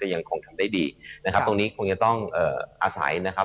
ยังคงทำได้ดีนะครับตรงนี้คงจะต้องเอ่ออาศัยนะครับ